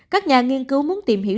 các nhà nghiên cứu muốn tìm hiểu